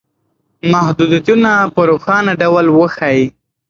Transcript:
محدودیتونه په روښانه ډول وښایئ.